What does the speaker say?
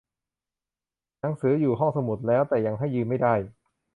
หนังสืออยู่ห้องสมุดแล้ว แต่ยังให้ยืมไม่ได้